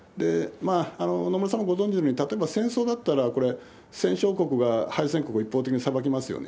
野村さんもご存じのように、例えば戦争だったら、これ、戦勝国が敗戦国を一方的に裁きますよね。